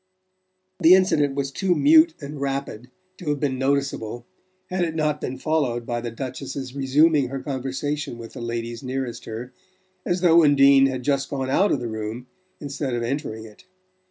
The incident was too mute and rapid to have been noticeable had it not been followed by the Duchess's resuming her conversation with the ladies nearest her as though Undine had just gone out of the room instead of entering it.